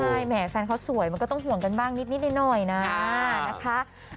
ใช่แหมแฟนเขาสวยมันก็ต้องห่วงกันบ้างนิดหน่อยนะนะคะ